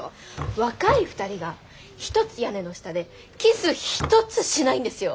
若い２人が一つ屋根の下でキス一つしないんですよ。